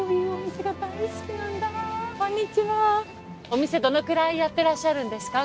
お店どのくらいやってらっしゃるんですか？